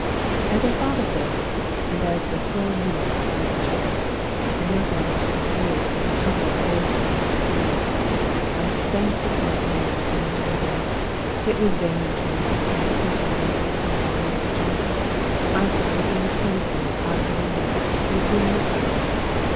As I thought of this, and as the slow minutes followed each other, and nothing reached my ears but the hum of voices in the next room, my suspense became almost unendurable. It was vain to try and fix my attention on what was going on in the street. I sat looking mechanically out of the window, and seeing nothing.